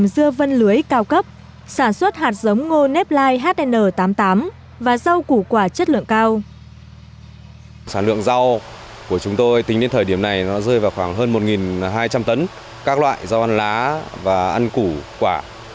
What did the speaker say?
sản lượng rau của chúng tôi tính đến thời điểm này nó rơi vào khoảng hơn một hai trăm linh tấn các loại rau lá và ăn củ quả